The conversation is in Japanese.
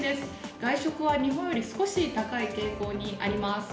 外食は日本より少し高い傾向にあります。